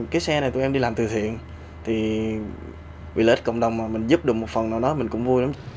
cái xe này tụi em đi làm tự thiện thì quỹ lết cộng đồng mà mình giúp được một phần nào đó mình cũng vui lắm